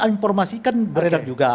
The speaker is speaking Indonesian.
informasi kan beredar juga